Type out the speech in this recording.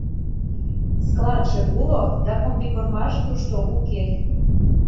— Складше уло, да комбикормаже тушто уке.